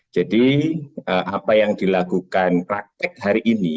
jadi apa yang dilakukan praktek hari ini